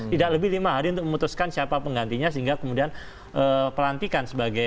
tidak lebih lima hari untuk memutuskan siapa penggantinya sehingga kemudian pelantikan sebagai